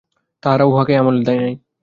তাহারা উহাকে আমলই দেয় নাই।